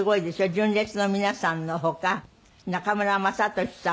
純烈の皆さんの他中村雅俊さん